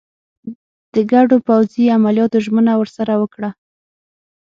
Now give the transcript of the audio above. د ګډو پوځي عملیاتو ژمنه ورسره وکړه.